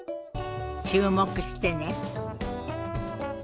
注目してね。